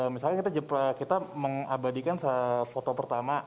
misalnya kita mengabadikan foto pertama